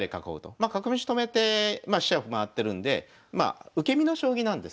ま角道止めて飛車を回ってるんでまあ受け身の将棋なんですね。